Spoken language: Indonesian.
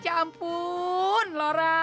ya ampun laura